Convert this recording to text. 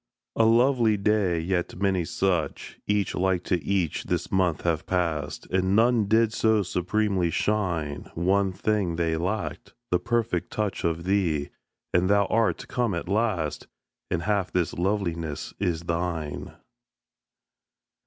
A lovely day! Yet many such, Each like to each, this month have passed, And none did so supremely shine. One thing they lacked: the perfect touch Of thee and thou art come at last, And half this loveliness is thine.